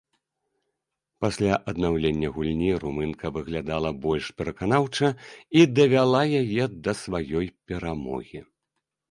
Пасля аднаўлення гульні румынка выглядала больш пераканаўча і давяла яе да сваёй перамогі.